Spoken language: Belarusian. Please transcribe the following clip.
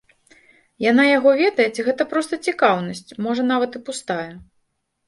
Яна яго ведае, ці гэта проста цікаўнасць, можа нават і пустая?